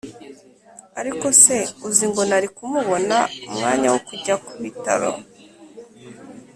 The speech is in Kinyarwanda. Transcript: ariko se uzi ngo nari kubona umwanya wo kujya kubitaro